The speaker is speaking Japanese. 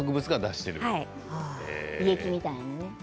胃液みたいなね。